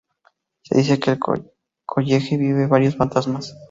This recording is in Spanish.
Se dice que en el college viven varios fantasmas.